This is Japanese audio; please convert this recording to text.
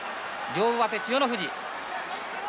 両上手、千代の富士。